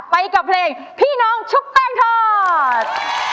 กับเพลงพี่น้องชุบแป้งทอด